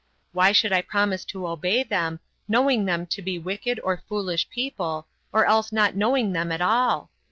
Why should I promise to obey them, knowing them to be wicked or foolish people, or else not knowing them at all?